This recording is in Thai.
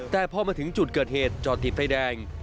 แต่พอมาถึงจุดเกิดเหตุจอดติดไฟแดง